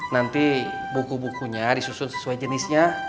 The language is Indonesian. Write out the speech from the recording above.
nanti buku bukunya disusun sesuai jenisnya